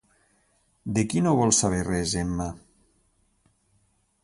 De qui no vol saber res Emma?